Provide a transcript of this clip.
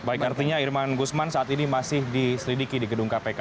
baik artinya irman gusman saat ini masih diselidiki di gedung kpk